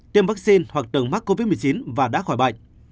tiêm vaccine hoặc từng mắc covid một mươi chín và đã khỏi bệnh